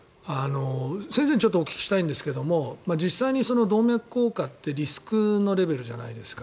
先生にちょっとお聞きしたいんですが実際に動脈硬化ってリスクのレベルじゃないですか。